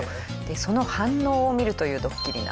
その反応を見るというドッキリなんです。